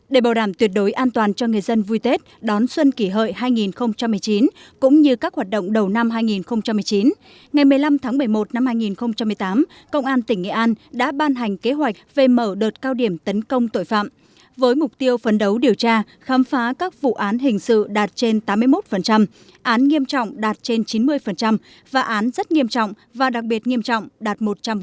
để bảo đảm tuyệt đối an toàn cho người dân vui tết đón xuân kỷ hợi hai nghìn một mươi chín cũng như các hoạt động đầu năm hai nghìn một mươi chín ngày một mươi năm tháng một mươi một năm hai nghìn một mươi tám công an tỉnh nghệ an đã ban hành kế hoạch về mở đợt cao điểm tấn công tội phạm với mục tiêu phấn đấu điều tra khám phá các vụ án hình sự đạt trên tám mươi một án nghiêm trọng đạt trên chín mươi và án rất nghiêm trọng và đặc biệt nghiêm trọng đạt một trăm linh